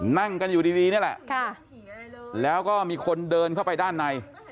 นั่งกันอยู่ดีนี่แหละแล้วก็มีคนเดินเข้าไปด้านใน